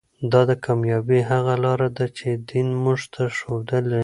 دا د کامیابۍ هغه لاره ده چې دین موږ ته ښودلې.